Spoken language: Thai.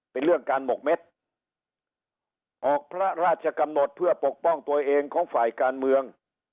เป็นเรื่องการหมกเม็ดออกพระราชกำหนดเพื่อปกป้องตัวเองของฝ่ายการเมือง